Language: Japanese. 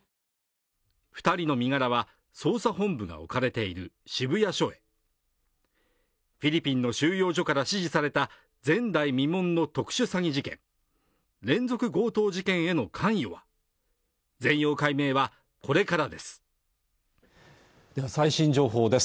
二人の身柄は捜査本部が置かれている渋谷署へフィリピンの収容所から支持された前代未聞の特殊詐欺事件連続強盗事件への関与は全容解明はこれからですでは最新情報です